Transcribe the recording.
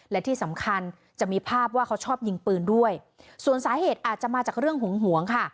และที่สำคัญจะมีภาพว่าเขาชอบยิงปืนด้วยส่วนสาเหตุอาจจะมาจากเรื่องหึงหวงค่ะ